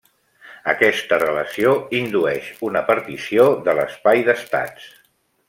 Aquesta relació indueix una partició de l'espai d'estats.